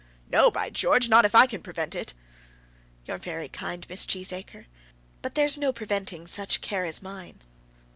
"No, by George; not if I can prevent it." "You're very kind, Mr. Cheesacre; but there's no preventing such care as mine."